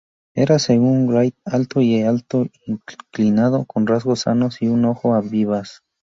Era, según Wright, "alto y algo inclinado, con rasgos sanos y un ojo vivaz".